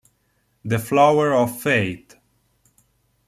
The Flower of Faith